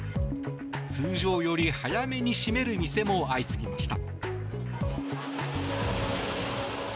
通常より早めに閉める店も相次ぎました。